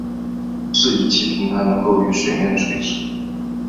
浮式仪器平台能够与水面垂直。